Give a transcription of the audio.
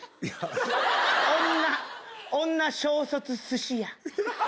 女、女小卒すし屋。